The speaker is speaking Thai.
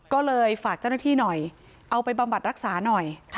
ก็เลยฝากเจ้าหน้าที่หน่อยเอาไปบำบัดรักษาหน่อย